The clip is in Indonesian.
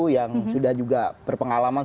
yang sudah juga berpengalaman